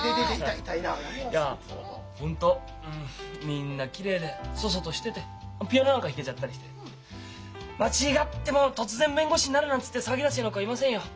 みんなきれいで楚々としててピアノなんか弾けちゃったりして間違っても突然弁護士になるなんつって騒ぎ出すような子はいませんよ。